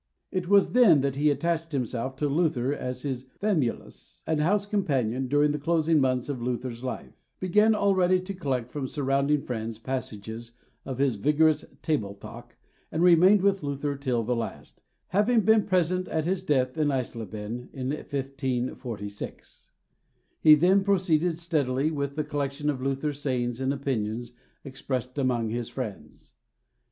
It was then that he attached himself to Luther as his famulus and house companion during the closing months of Luther's life, began already to collect from surrounding friends passages of his vigorous "Table Talk," and remained with Luther till the last, having been present at his death in Eisleben in 1546. He then proceeded steadily with the collection of Luther's sayings and opinions expressed among his friends.